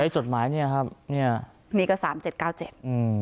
จดหมายเนี้ยครับเนี้ยนี่ก็สามเจ็ดเก้าเจ็ดอืม